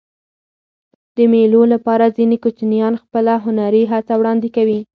د مېلو له پاره ځيني کوچنيان خپله هنري هڅه وړاندي کوي.